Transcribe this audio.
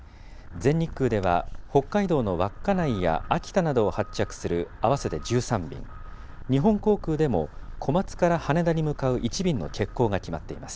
全日空では北海道の稚内や秋田などを発着する合わせて１３便、日本航空でも小松から羽田に向かう１便の欠航が決まっています。